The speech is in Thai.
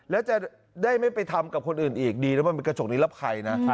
แล้วจะได้ไม่ไปทำกับคนอื่นอีกดีแล้วมันเป็นกระจกนิรภัยนะ